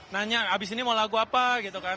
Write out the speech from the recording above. nanya abis ini mau lagu apa gitu kan